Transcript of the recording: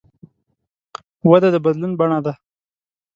وده د بدلون بڼه ده.